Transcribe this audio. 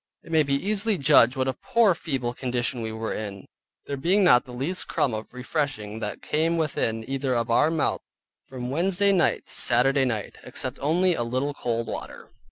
It may be easily judged what a poor feeble condition we were in, there being not the least crumb of refreshing that came within either of our mouths from Wednesday night to Saturday night, except only a little cold water.